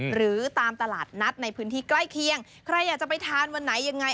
หรือตามตลาดนัดในพื้นที่ใกล้เคียงใครอยากจะไปทานวันไหนยังไง